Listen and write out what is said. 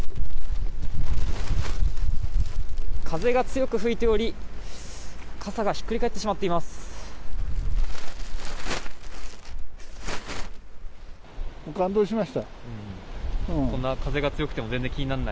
風が強く吹いており傘がひっくり返ってしまっています。